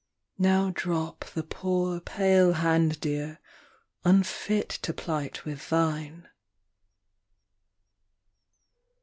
Now drop the poor pale hand, Dear, unfit to plight with thine.